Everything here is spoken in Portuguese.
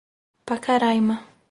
Pacaraima